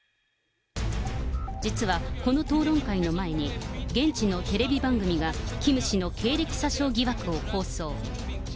実はこの討論会の前に、現地のテレビ番組がキム氏の経歴詐称疑惑を放送。